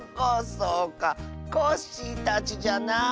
そうかコッシーたちじゃな。